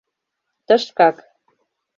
— Тышкак.